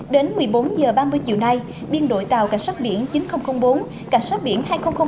đến một mươi bốn h ba mươi chiều nay biên đội tàu cảnh sát biển chín nghìn bốn cảnh sát biển hai nghìn hai mươi